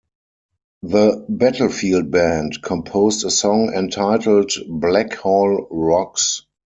The Battlefield Band composed a song entitled "Blackhall Rocks".